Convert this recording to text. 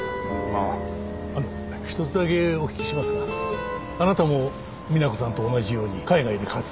あの一つだけお聞きしますがあなたもみな子さんと同じように海外で活動を？